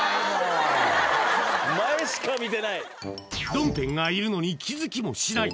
ドンペンがいるのに気づきもしない